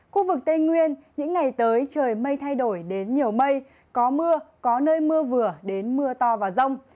khu vực tây nguyên những ngày tới trời mây thay đổi đến nhiều mây có mưa có nơi mưa vừa đến mưa to và rông